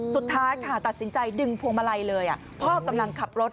สุดท้ายค่ะตัดสินใจดึงพวงมาลัยเลยพ่อกำลังขับรถ